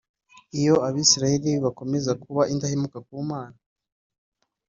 iyo abisirayeli bakomeza kuba indahemuka ku mana,